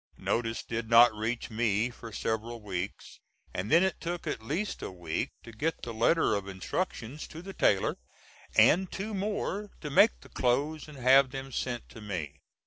Notice did not reach me for several weeks, and then it took at least a week to get the letter of instructions to the tailor and two more to make the clothes and have them sent to me.